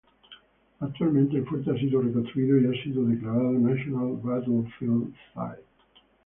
Actualmente el fuerte ha sido reconstruido y ha sido declarado "National Battlefield Site".